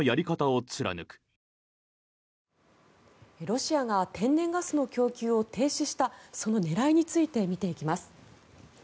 ロシアが天然ガスの供給を停止したその狙いについて見ていきます。